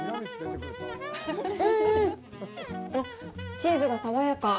チーズが爽やか。